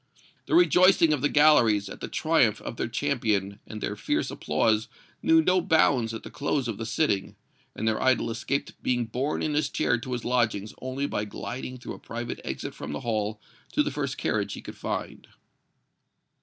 The rejoicing of the galleries at the triumph of their champion and their fierce applause knew no bounds at the close of the sitting, and their idol escaped being borne in his chair to his lodgings only by gliding through a private exit from the hall to the first carriage he could find.